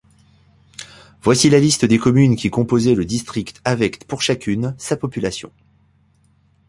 Voici la liste des communes qui composait le district avec, pour chacune, sa population.